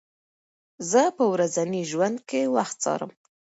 زه په ورځني ژوند کې وخت څارم.